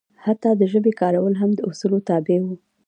حتی د ژبې کارول هم د اصولو تابع وو.